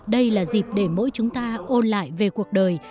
đây là dịp để mỗi chúng ta ôn lại về cuộc đời